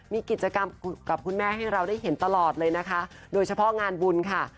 มีกิจกรรมกับคุณแม่ให้เราได้เห็นตลอดเลยนะคะโดยเฉพาะงานบุญค่ะ